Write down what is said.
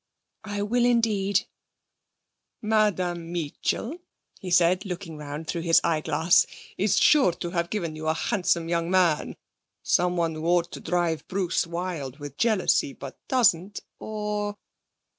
'I will indeed.' 'Madame Meetchel,' he said, looking round through his eyeglass, 'is sure to have given you a handsome young man, someone who ought to drive Bruce wild with jealousy, but doesn't, or ... or